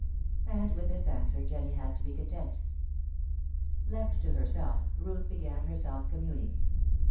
And with this answer Jennie had to be content. Left to herself, Ruth began her self communings.